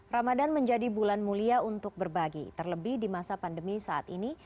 ramadan menjadi bulan mulia untuk berbagi terlebih di masa pandemi saat ini